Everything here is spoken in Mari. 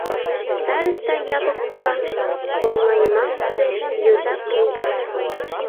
Староста Япык пура, коҥлайымалныже — йозак книга.